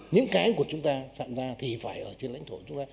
những cái của chúng ta sẵn ra thì phải ở trên lãnh thổ của chúng ta